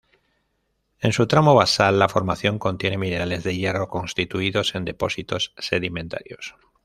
En su tramo basal, la formación contiene minerales de hierro constituidos en depósitos sedimentarios.